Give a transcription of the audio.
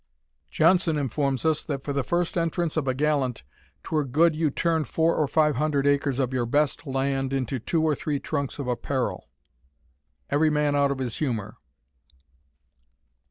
Jonson informs us, that for the first entrance of a gallant, "'twere good you turned four or five hundred acres of your best land into two or three trunks of apparel." _Every Man out of his Humour.